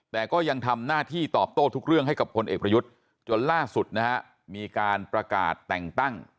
แต่ก็ยังทำหน้าที่ตอบโต้ทุกเรื่องให้กับพลเอกประยุทธ์จนล่าสุดนะฮะมีการประกาศแต่งตั้ง